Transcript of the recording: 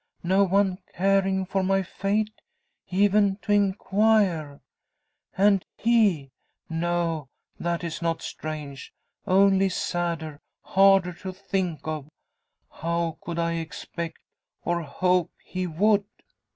No one caring for my fate even to inquire! And he no, that is not strange only sadder, harder to think of. How could I expect, or hope, he would?